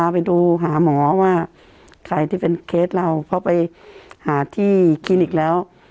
ไปดูหาหมอว่าใครที่เป็นเคสเราเขาไปหาที่คลินิกแล้ว